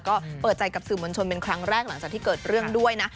ก็เปิดใจกับสื่อมวลชนเป็นครั้งแรกหลังจากที่เกิดเรื่องด้วยนะ